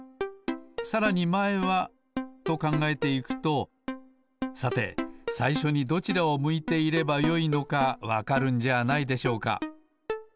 さらにまえはとかんがえていくとさてさいしょにどちらを向いていればよいのかわかるんじゃないでしょうか。